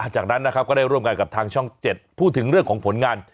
จากนั้นนะครับก็ได้ร่วมกันกับทางช่อง๗พูดถึงเรื่องของผลงาน